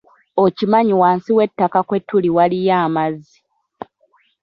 Okimanyi wansi w'ettaka kwe tuli waliyo amazzi.